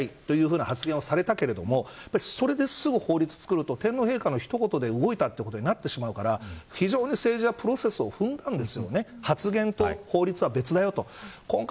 上皇陛下が退位するとき公務が非常にしんどいから退位したいというふうな発言をされたけれどもそれですぐに法律を作ると天皇陛下のもとで動いたということになってしまうから非常に政治はプロセスを踏んだんです。